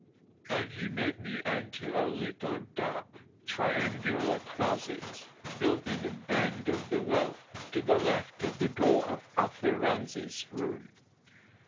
And he made me enter a little dark, triangular closet built in a bend of the wall, to the left of the door of Arthur Rance's room.